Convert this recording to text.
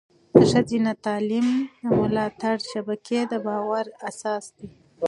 د ښځینه تعلیم د ملاتړ شبکې د باور اساس دی.